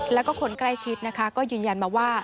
แล้วก็คนใกล้ชิดนะคะก็ยืนยันมาว่า